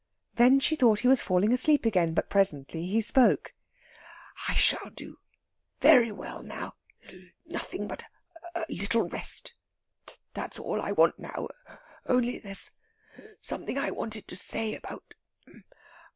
Then she thought he was falling asleep again; but presently he spoke. "I shall do very well now.... Nothing but a little rest ... that's all I want now. Only there's something I wanted to say about ... about...."